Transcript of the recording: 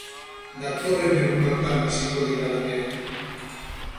Datorren egunotan hasiko dira lanean.